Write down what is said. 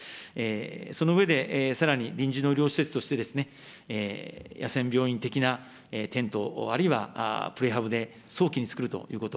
その上で、さらに臨時の医療施設として、野戦病院的なテントあるいはプレハブで早期に作るということ。